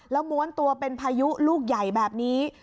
แล้วม้วนตัวเป็นพายุลูกใหญ่แบบนี้